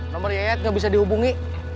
nomor yayat gak bisa dihubungi